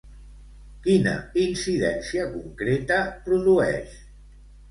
Quina incidència concreta produeix?